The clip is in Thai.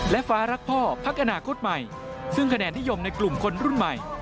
และฟ้ารักพ่อพักอนาคตใหม่ซึ่งคะแนนนิยมในกลุ่มคนรุ่นใหม่